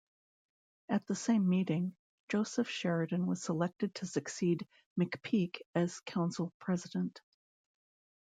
At the same meeting, Joseph Sheridan was selected to succeed McPeek as Council President.